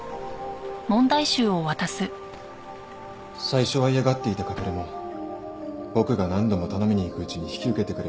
最初は嫌がっていた駆も僕が何度も頼みに行くうちに引き受けてくれました。